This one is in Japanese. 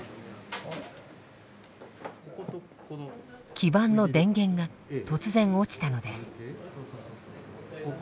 基板の電源が突然落ちたのです。